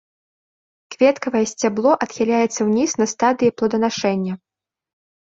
Кветкавае сцябло адхіляецца ўніз на стадыі плоданашэння.